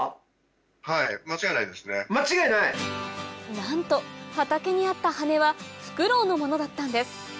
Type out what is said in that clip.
なんと畑にあった羽根はフクロウのものだったんです！